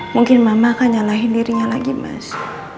mungkin mama akan nyalahin dirinya lagi mas